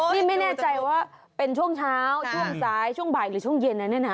นี่ไม่แน่ใจว่าเป็นช่วงเช้าช่วงซ้ายช่วงบ่ายหรือช่วงเย็นนะเนี่ยนะ